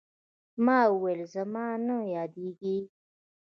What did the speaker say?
ما وويل زما نه يادېږي.